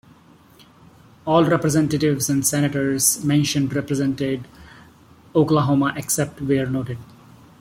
All representatives and senators mentioned represented Oklahoma except where noted.